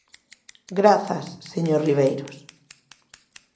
Grazas, señor Ribeiros.